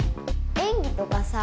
演技とかさ。